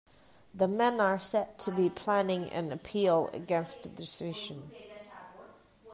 The men are said to be planning an appeal against the decision.